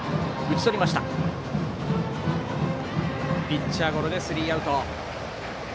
ピッチャーゴロでスリーアウト。